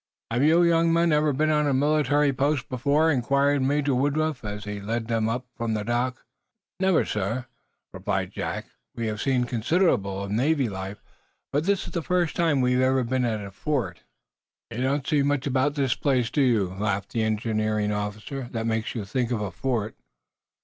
"Have you young men ever been on a military post before?" inquired Major Woodruff, as he led them up from the dock. "Never sir," replied Jack. "We have seen considerable of Navy life, but this is the first time we've ever been at a fort." "You don't see much about this place, do you," laughed the engineer officer, "that makes you think of a fort?"